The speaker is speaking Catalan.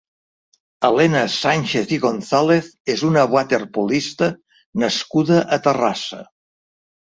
Elena Sánchez i González és una waterpolista nascuda a Terrassa.